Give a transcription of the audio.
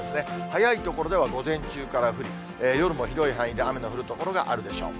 早い所では午前中から降り、夜も広い範囲で雨の降る所があるでしょう。